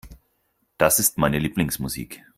Das ist meine Lieblingsmusik.